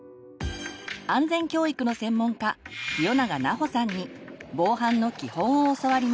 安全教育の専門家清永奈穂さんに防犯の基本を教わります。